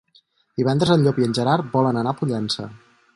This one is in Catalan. Divendres en Llop i en Gerard volen anar a Pollença.